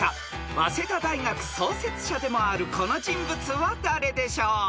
［早稲田大学創設者でもあるこの人物は誰でしょう？］